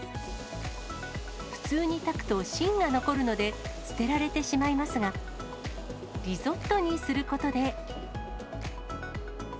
普通に炊くと芯が残るので、捨てられてしまいますが、リゾットにすることで。